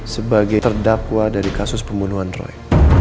sebagai terdakwa dari kasus pembunuhan roy